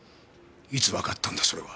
いつわかったんだそれは！？